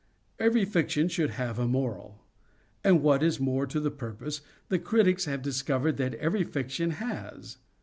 Every fiction should have a moral; and, what is more to the purpose, the critics have discovered that every fiction has.